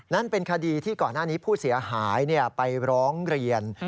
นั่นเป็นคดีที่ก่อนหน้านี้ผู้เสียหายไปร้องเรียน